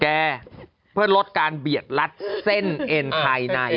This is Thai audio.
เพื่อลดการเบียดรัดเส้นเอ็นภายใน